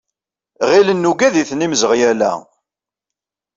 Ɣilen nugad-iten imzeɣyal-a.